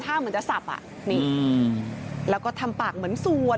เหมือนจะสับอ่ะนี่แล้วก็ทำปากเหมือนสวด